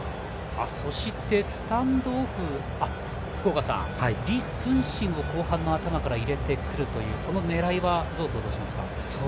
そして、スタンドオフ李承信を後半の頭から入れてくるという狙いはどう想像しますか？